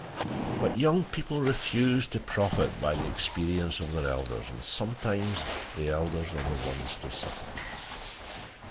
But young people refuse to profit by the experience of their elders, and sometimes the elders are the ones to suffer.